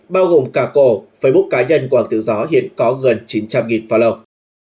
bao gồm cả cổ facebook cá nhân của hoàng tử gió hiện có gần chín trăm linh follow